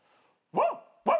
ワンワン！